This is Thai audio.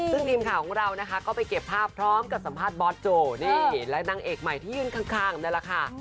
ซึ่งทีมข่าวของเรานะคะก็ไปเก็บภาพพร้อมกับสัมภาษณ์บอสโจนี่และนางเอกใหม่ที่ยืนข้างนั่นแหละค่ะ